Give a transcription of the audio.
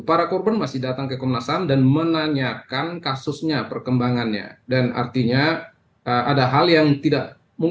para korban masih datang ke komnas ham